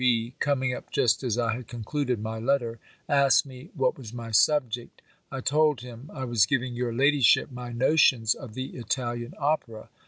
B. coming up just as I had concluded my letter, asked me what was my subject? I told him I was giving your ladyship my notions of the Italian opera.